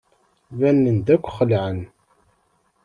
Banen-d akk xelɛen.